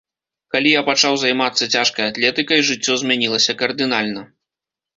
Калі я пачаў займацца цяжкай атлетыкай, жыццё змянілася кардынальна.